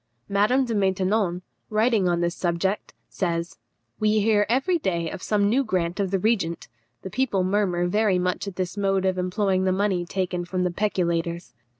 Madame de Maintenon, writing on this subject, says, "We hear every day of some new grant of the regent. The people murmur very much at this mode of employing the money taken from the peculators."